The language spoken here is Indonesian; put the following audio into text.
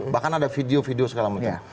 bahkan ada video video segala macam